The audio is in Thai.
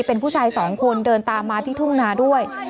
เป็นผู้ชายสองคนเดินตามมาที่ทุ่งนาด้วย